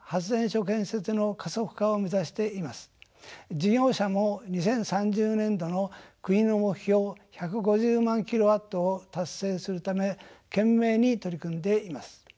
事業者も２０３０年度の国の目標１５０万キロワットを達成するため懸命に取り組んでいます。